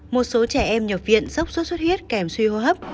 một số trẻ em nhập viện sốc xuất xuất huyết kèm suy hô hấp